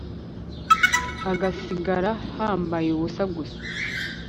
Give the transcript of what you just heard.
hagasigara hambaye ubusa gusa